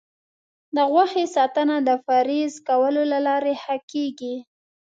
د غوښې ساتنه د فریز کولو له لارې ښه کېږي.